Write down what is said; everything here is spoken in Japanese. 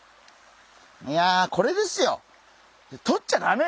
いやこれですよ！